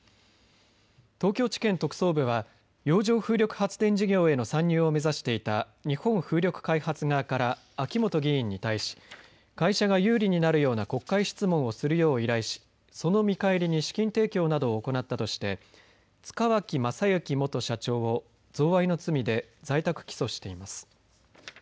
東京地検特捜部は洋上風力発電事業への参入を目指していた日本風力開発側から秋本議員に対し会社が有利になるような国会質問をするよう依頼しその見返りに資金提供などを行ったとして塚脇正幸元社長を贈賄の罪で在宅起訴しています。